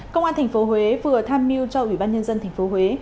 công an tp huế vừa tham mưu cho ủy ban nhân dân tp huế